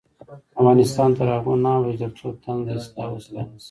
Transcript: افغانستان تر هغو نه ابادیږي، ترڅو طنز د اصلاح وسیله نشي.